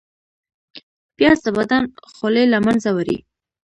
پیاز د بدن خولې له منځه وړي